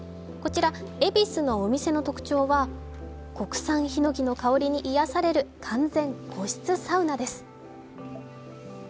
こちら、恵比寿のお店の特徴は国産ひのきの香りに癒やされる完全個室サウナです。